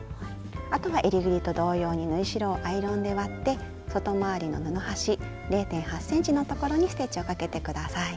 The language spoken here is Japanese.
あとはえりぐりと同様に外回りの布端０．８ｃｍのところにステッチをかけて下さい。